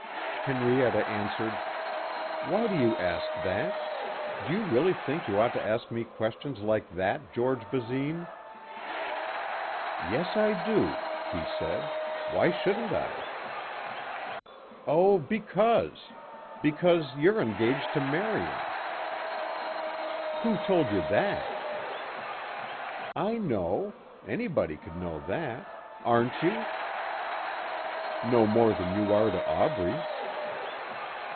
Henrietta answered, "Why do you ask that? Do you really think you ought to ask me questions like that, George Basine?" "Yes I do," he said, "why shouldn't I?" "Oh because. Because you're engaged to Marion." "Who told you that?" "I know. Anybody could know that. Aren't you?" "No more than you are to Aubrey."